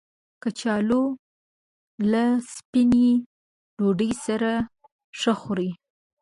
کچالو له سپینې ډوډۍ سره ښه خوري